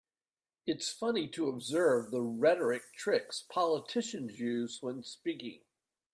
It's funny to observe the rhetoric tricks politicians use when speaking.